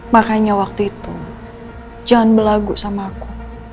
makanya waktu itu jangan berlagu sama aku